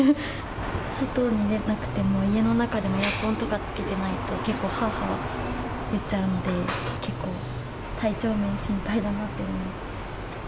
外に出なくても、家の中でもエアコンとかつけてないと、結構、はあはあ言っちゃうんで、結構、体調面心配だなって。